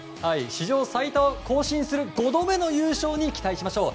史上最多を更新する５度目の優勝に期待しましょう。